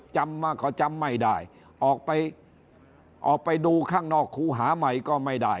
จำมาเขาจำไม่ได้ออกไปดูข้างนอกครูหาไหมก็ไม่ได้